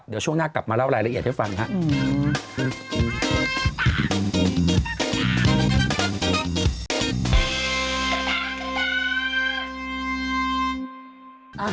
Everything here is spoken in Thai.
เดี๋ยวช่วงหน้ากลับมาเล่ารายละเอียดให้ฟังครับ